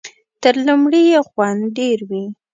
تر لومړي یې خوند ډېر وي .